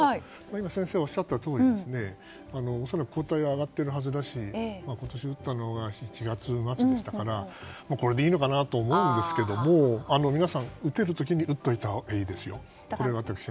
今、先生がおっしゃったとおり恐らく抗体は上がっているはずだし今年打ったのが７月末でしたからこれでいいのかなと思うんですが皆さん、打てる時に打っておいたほうがいいです。